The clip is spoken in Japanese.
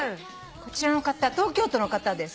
こちらの方東京都の方です。